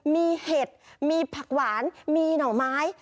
มีเห็ดมีผักหวานมีหน่อไม้